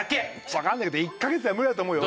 わかんねえけど１カ月じゃ無理だと思うよ。